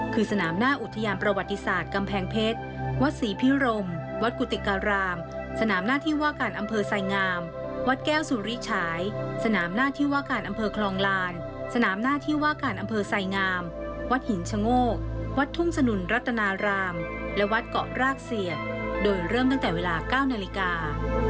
คือสนามหน้าอุทยานประวัติศาสตร์กำแพงเพชรวัดศรีพิรมวัดกุฏิการามสนามหน้าที่ว่าการอำเภอไซงามวัดแก้วสุริฉายสนามหน้าที่ว่าการอำเภอคลองลานสนามหน้าที่ว่าการอำเภอไสงามวัดหินชะโงกวัดทุ่งสนุนรัตนารามและวัดเกาะรากเสียดโดยเริ่มตั้งแต่เวลา๙นาฬิกา